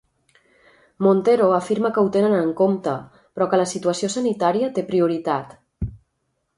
Montero afirma que ho tenen en compte, però que la situació sanitària té prioritat.